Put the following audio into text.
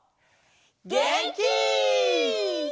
げんき！